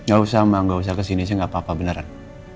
ga usah ma ga usah kesini sih ga apa apa beneran